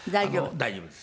大丈夫です。